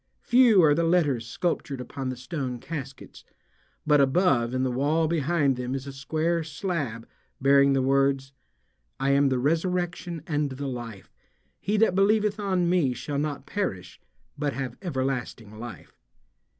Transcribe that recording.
Few are the letters sculptured upon the stone caskets, but above in the wall behind them is a square slab bearing the words: "I am the resurrection and the life; he that believeth on me shall not perish but have everlasting life."